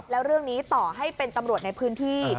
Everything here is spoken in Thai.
แล้วเรื่องนี้ต่อให้เป็นตำรวจในพื้นที่